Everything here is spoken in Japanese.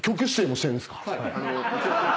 はい。